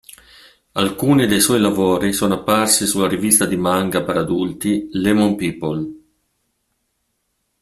Alcuni dei suoi lavori sono apparsi sulla rivista di manga per adulti "Lemon People".